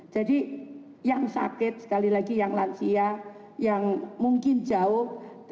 jadi yang sakit sekali lagi yang lansia yang mungkin jauh